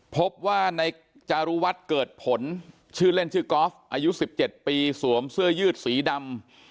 พบว่าในจารุวัฒน์เกิดผลชื่อเล่นชื่อกอล์ฟอายุ๑๗ปีสวมเสื้อยืดสีดำ